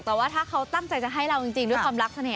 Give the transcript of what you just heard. แต่ว่าถ้าเขาตั้งใจจะให้เราจริงด้วยความรักเสน่ห